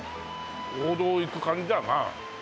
王道を行く感じだよな。